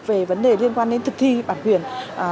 về vấn đề liên quan đến thực thi bản quyền